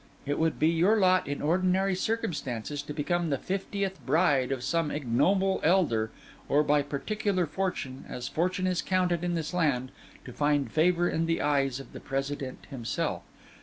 It would be your lot, in ordinary circumstances, to become the fiftieth bride of some ignoble elder, or by particular fortune, as fortune is counted in this land, to find favour in the eyes of the President himself.